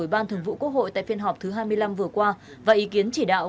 ủy ban thường vụ quốc hội tại phiên họp thứ hai mươi năm vừa qua và ý kiến chỉ đạo